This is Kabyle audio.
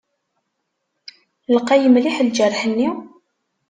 Lqay mliḥ ljerḥ-nni?